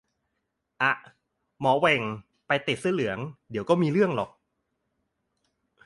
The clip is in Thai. อ่ะ หมอเหวงไปแตะเสื้อเหลือง เดี๋ยวก็มีเรื่องหรอก